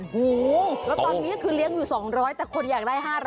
โอ้โหแล้วตอนนี้คือเลี้ยงอยู่๒๐๐แต่คนอยากได้๕๐๐